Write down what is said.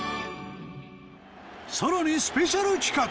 さらにスペシャル企画。